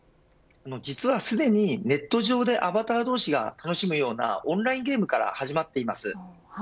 実はすでにネット上でアバター同士が楽しむようなオンラインゲームが始まっています。